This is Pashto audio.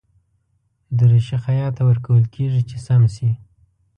دریشي خیاط ته ورکول کېږي چې سم شي.